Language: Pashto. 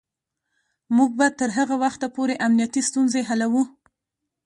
موږ به تر هغه وخته پورې امنیتی ستونزې حلوو.